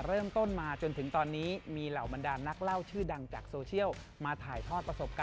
ตอนนี้ที่ตอนนี้มีเหล่าบรรดาชื่อดังมาถ่ายทอดสุด